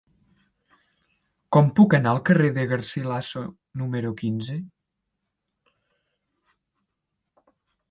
Com puc anar al carrer de Garcilaso número quinze?